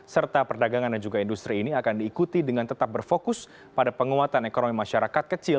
serta perdagangan dan juga industri ini akan diikuti dengan tetap berfokus pada penguatan ekonomi masyarakat kecil